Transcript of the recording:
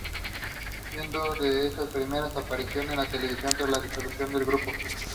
This victimization can result in increased depressive tendencies and decreased academic motivation.